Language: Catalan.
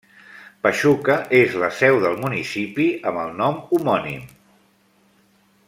Pachuca és la seu del municipi amb el nom homònim.